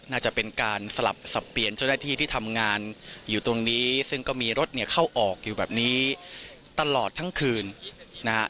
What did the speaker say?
น่าจะเป็นการสลับสับเปลี่ยนเจ้าหน้าที่ที่ทำงานอยู่ตรงนี้ซึ่งก็มีรถเนี่ยเข้าออกอยู่แบบนี้ตลอดทั้งคืนนะฮะ